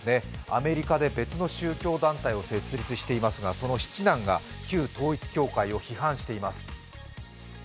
アメリカで別の宗教団体を設立していますが、その七男が旧統一教会を批判しています。